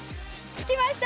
つきました！